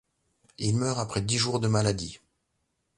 Il meurt après dix jours de maladie.